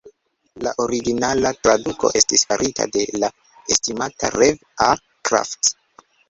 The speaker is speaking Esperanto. La originala traduko estis farita de la estimata Rev. A. Krafft.